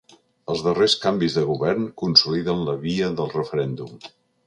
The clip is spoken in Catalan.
Els darrers canvis de govern consoliden la via del referèndum.